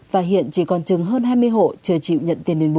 và hiện chỉ còn chừng hơn hai mươi hộ chưa chịu nhận tiền đền bù